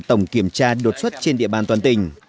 tổng kiểm tra đột xuất trên địa bàn toàn tỉnh